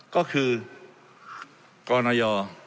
ก็คือกรณย